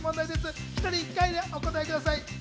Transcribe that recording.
１人１回でお答えください。